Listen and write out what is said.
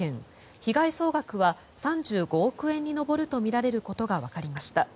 被害総額は３５億円に上るとみられることがわかりました。